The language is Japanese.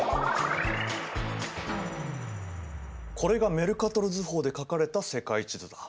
これがメルカトル図法で描かれた世界地図だ。